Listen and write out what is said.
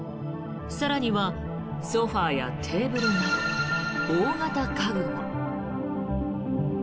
更にはソファやテーブルなど大型家具も。